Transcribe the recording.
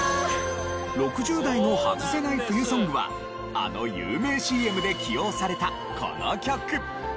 ６０代のハズせない冬ソングはあの有名ＣＭで起用されたこの曲。